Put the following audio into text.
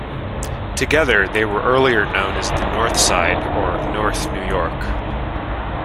Together, they were earlier known as the North Side or North New York.